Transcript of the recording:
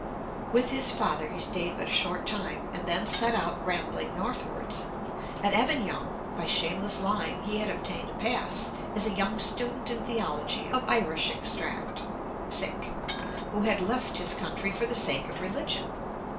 With his father he stayed but a short time, and then set out rambling northwards. At Avignon, by shameless lying, he had obtained a pass 'as a young student in theology, of Irish extract who had left his country for the sake of religion' (p.